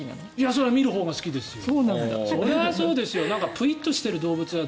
それは見るほうが好きですよ。